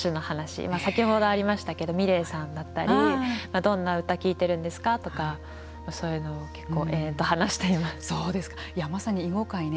先ほどありましたけどｍｉｌｅｔさんだったりどんな歌聴いてるんですかとかそういうのも結構話しています。